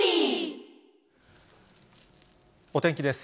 お天気です。